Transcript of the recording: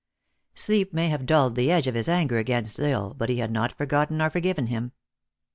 Sleep may have dulled the edge of his anger against L Isle, but he had not yet forgotten or forgiven him.